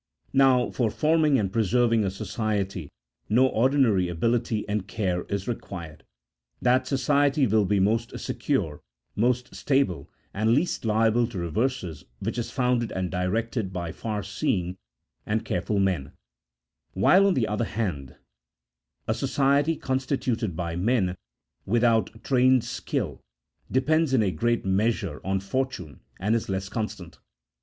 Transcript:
Now for forming and preserving a society, no ordinary ability and care is required : that society will be most secure, most stable, and least liable to reverses, which is founded and directed by far seeing and careful men ; while, on the other hand, a society constituted by men without trained skill, depends in a great measure on fortune, and is less constant.